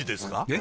え？